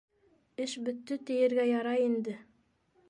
— Эш бөттө тиергә ярай инде.